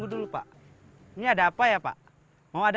selamat pak ion